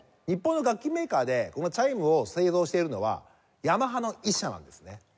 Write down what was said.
日本の楽器メーカーでこのチャイムを製造しているのはヤマハの１社なんですね。